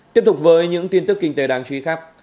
tiếp tục với những tin tức kinh tế đáng chú ý khác